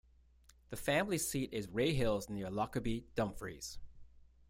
The family seat is Raehills, near Lockerbie, Dumfries.